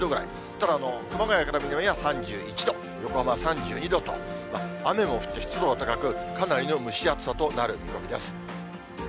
ただ、熊谷から南は３１度、横浜３２度と、雨も降って湿度が高く、かなりの蒸し暑さとなる見込みです。